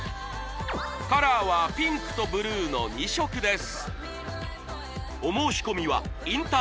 カラーはピンクとブルーの２色です